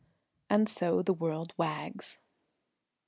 And so the world wags.